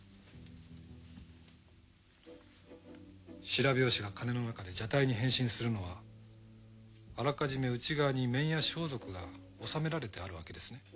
白拍子が鐘の中で蛇体に変身するのはあらかじめ内側に面や装束が収められてあるわけですね？